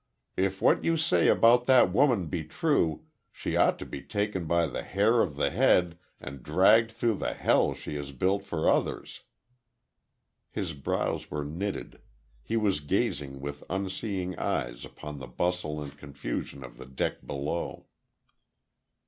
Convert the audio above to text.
If what you say about that woman be true, she ought to be taken by the hair of the head and dragged through the hell she has built for others." His brows were knitted; he was gazing with unseeing eyes upon the bustle and confusion of the dock below.